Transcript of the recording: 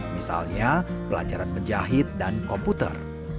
misalnya pelajaran menjahit dan komputer